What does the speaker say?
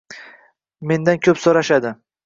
Mendan koʻp soʻrashadi.